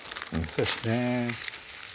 そうですね